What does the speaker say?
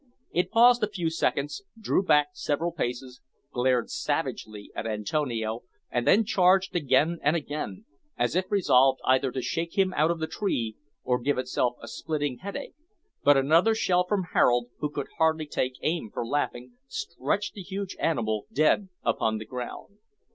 It paused a few seconds, drew back several paces, glared savagely at Antonio, and then charged again and again, as if resolved either to shake him out of the tree, or give itself a splitting headache, but another shell from Harold, who could hardly take aim for laughing, stretched the huge animal dead upon the ground.